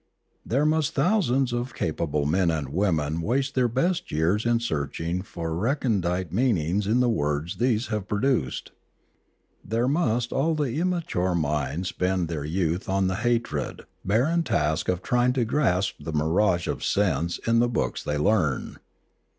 There must thousands of capable men and women waste their best years in searching for recondite mean ings in the works these have produced. There must all the immature minds spend their youth on the hated, barren task of trying to grasp the mirage of sense in Literature 4r5 the books they learn.